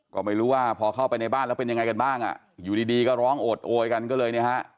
ก็ไม่รู้ว่าพอเข้าไปในบ้านแล้วเป็นยังไงกันบ้างอ่ะอยู่ดีดีก็ร้องโอดโอยกันก็เลยเนี่ยฮะ